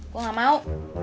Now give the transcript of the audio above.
gue gak mau